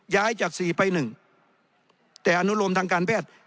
ย้ายจากสี่ไปหนึ่งแต่อนุโรมทางการแพทย์